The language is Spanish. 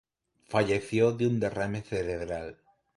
Falleció de un derrame cerebral.